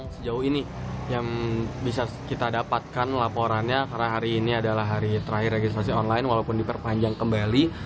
sejauh ini yang bisa kita dapatkan laporannya karena hari ini adalah hari terakhir registrasi online walaupun diperpanjang kembali